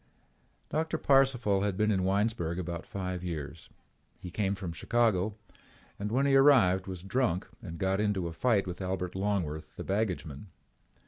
Doctor Parcival had been in Winesburg about five years. He came from Chicago and when he arrived was drunk and got into a fight with Albert Longworth, the baggageman.